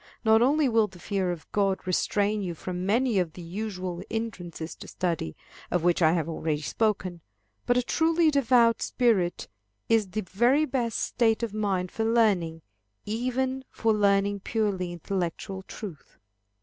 Not only will the fear of God restrain you from many of the usual hindrances to study, of which I have already spoken, but a truly devout spirit is the very best state of mind for learning, even for learning purely intellectual truth.